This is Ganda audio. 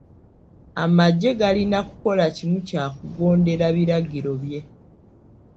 Amagye galina kukola kimu kya kugondera biragiro bye.